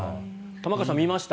玉川さん、昨日見ました？